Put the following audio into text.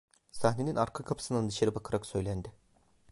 Sahnenin arka kapısından dışarı bakarak söylendi..